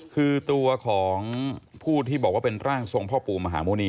คือตัวของผู้ที่บอกว่าเป็นร่างทรงพ่อปู่มหาหมุณี